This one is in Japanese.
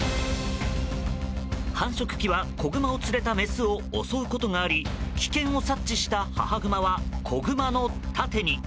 繁殖期は子グマを連れたメスを襲うことがあり危険を察知した母グマは子グマの盾に。